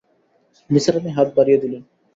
নিসার আলি হাত বাড়িয়ে দিলেন।